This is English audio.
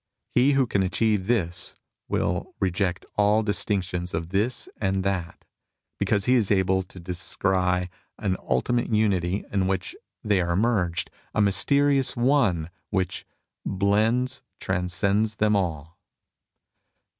He who can achieve this will " reject all distinctions of this and that," because he is able to descry an ultimate Unity THE QUIETIST IDEAL 19 in whicli they are merged, a mysterious One which " blends, transcends them all."